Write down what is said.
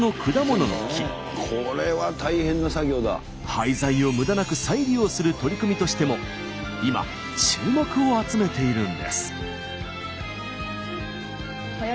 廃材を無駄なく再利用する取り組みとしても今注目を集めているんです。